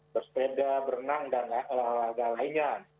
bersepeda berenang dan olahraga lainnya